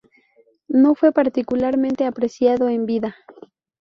No fue particularmente apreciado en vida.